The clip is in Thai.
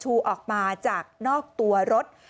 ออกมาจากนอกตัวรถ